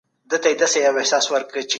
زه بد عادتونه نه لرم.